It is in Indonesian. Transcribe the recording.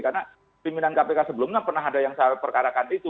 karena pimpinan kpk sebelumnya pernah ada yang saya perkarakan itu